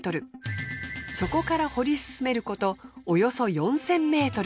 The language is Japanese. そこから掘り進めることおよそ４，０００ｍ。